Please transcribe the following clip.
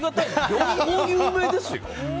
両方、有名ですよ。